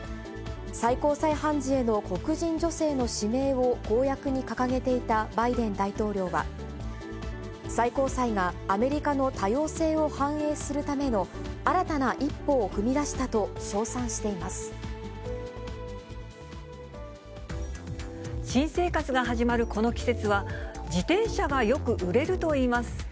最高裁判事への黒人女性の指名を公約に掲げていたバイデン大統領は、最高裁がアメリカの多様性を反映するための新たな一歩を踏み出し新生活が始まるこの季節は、自転車がよく売れるといいます。